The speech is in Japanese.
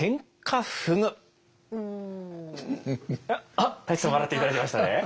あ舘さん笑って頂けましたね。